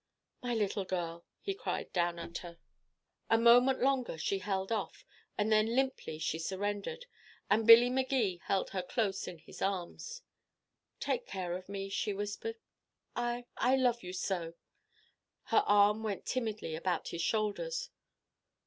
"My little girl!" he cried down at her. A moment longer she held off, and then limply she surrendered. And Billy Magee held her close in his arms. "Take care of me," she whispered. "I I love you so." Her arm went timidly about his shoulders.